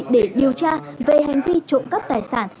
để điều tra về hành vi trộm cắp tài sản